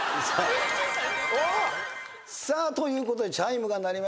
さあということでチャイムが鳴りました。